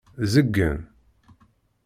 Zeggen.